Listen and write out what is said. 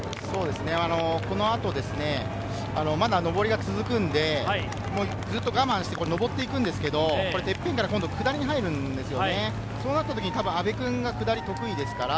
このあと、まだ上りが続くのでずっと我慢して上っていくんですけれど、てっぺんから下りに入るんですけれど、そうなったときに阿部君は下りが得意です。